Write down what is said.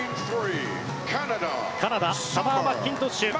カナダサマー・マッキントッシュ。